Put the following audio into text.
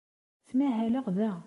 Ttmahaleɣ da.